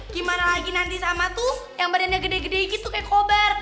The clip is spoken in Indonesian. gimana lagi nanti sama tuh yang badannya gede gede gitu kayak kobar